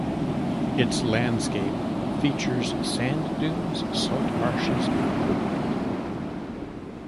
Its landscape features sand dunes, salt marshes and woodland.